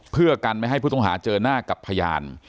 เพื่อกันไม่ให้ผู้ต้องหาเจอหน้ากับพยาน